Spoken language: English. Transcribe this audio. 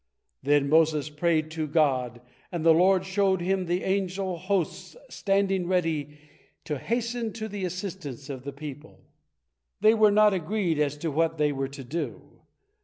Then Moses prayed to God, and the Lord showed him the angel hosts standing ready to hasten to the assistance of the people. They were not agreed as to what they were to do.